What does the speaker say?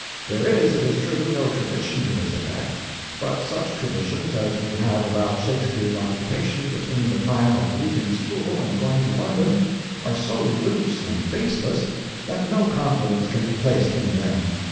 There is, it is true, no tradition to this effect, but such traditions as we have about Shakespeare's occupation between the time of leaving school and going to London are so loose and baseless that no confidence can be placed in them.